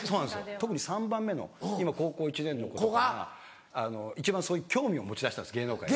特に３番目の今高校１年の子とかが一番そういう興味を持ちだしたんです芸能界に。